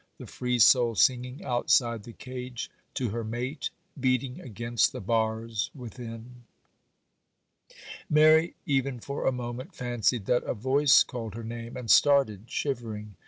the free soul singing outside the cage to her mate, beating against the bars within? Mary even for a moment fancied that a voice called her name, and started, shivering.